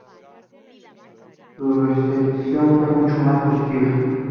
Su recepción fue mucho más positiva.